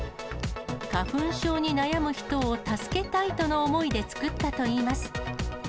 花粉症に悩む人を助けたいとの思いで作ったといいます。